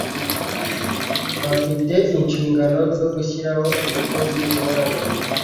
bafite inshingano zo gushyiraho umukozi uhoraho